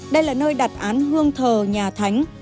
đây là nơi đặt án hương thờ nhà thánh